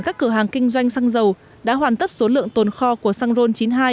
các cửa hàng kinh doanh xăng dầu đã hoàn tất số lượng tồn kho của xăng ron chín mươi hai